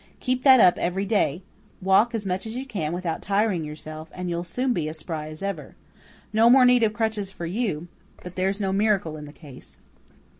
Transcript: "Keep that up every day. Walk as much as you can without tiring yourself, and you'll soon be as spry as ever. No more need of crutches for you, but there's no miracle in the case."